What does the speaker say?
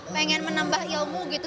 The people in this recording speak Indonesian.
pengen menambah ilmu gitu